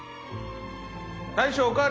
大将お代わり！